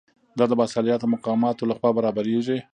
دا د باصلاحیته مقاماتو لخوا برابریږي.